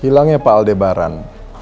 hilangnya pak aldebaran